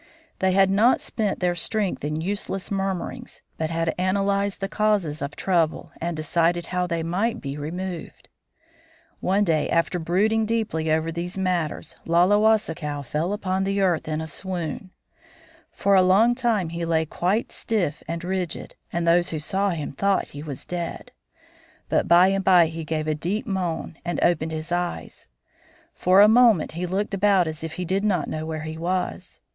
They had not spent their strength in useless murmurings, but had analyzed the causes of trouble and decided how they might be removed. [Illustration: THE PROPHET] One day after brooding deeply over these matters Laulewasikaw fell upon the earth in a swoon. For a long time he lay quite stiff and rigid, and those who saw him thought he was dead. But by and by he gave a deep moan and opened his eyes. For a moment he looked about as if he did not know where he was.